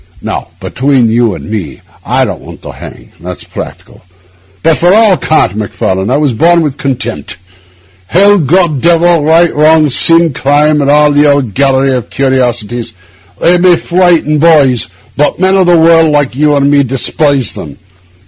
Now, between you and me, I don't want to hang—that's practical; but for all cant, Macfarlane, I was born with a contempt. Hell, God, Devil, right, wrong, sin, crime, and all the old gallery of curiosities—they may frighten boys, but men of the world, like you and me, despise them.